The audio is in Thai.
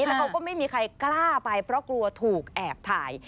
แล้วเขาก็ไม่มีใครกล้าไปเพราะกลัวถูกแอบถ่าย